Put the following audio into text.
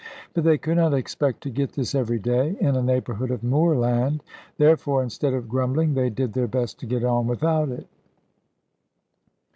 But they could not expect to get this every day, in a neighbourhood of moorland; therefore, instead of grumbling, they did their best to get on without it.